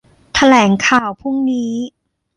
แถลงข่าวพรุ่งนี้